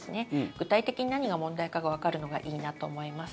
具体的に何が問題かがわかるのがいいなと思います。